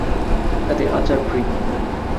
সাথে আচার ফ্রি।